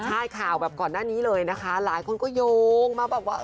ใช่ข่าวแบบก่อนหน้านี้เลยนะคะหลายคนก็โยงมาแบบว่า